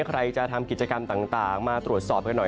ใครจะทำกิจกรรมต่างมาตรวจสอบกันหน่อย